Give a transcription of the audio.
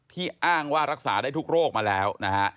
อ้างว่ารักษาได้ทุกโรคมาแล้วนะฮะ